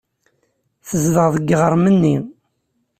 Tezdeɣ deg yiɣrem-nni.